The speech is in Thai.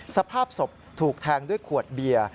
สภาพศพถูกแทงด้วยขวดเบียร์